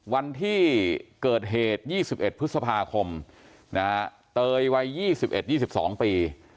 วันที่เกิดเหตุ๒๑พฤษภาคมเตยวัย๒๑๒๒ปี